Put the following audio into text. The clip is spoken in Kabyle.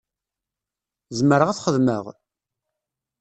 Zemreɣ ad t-xedmeɣ?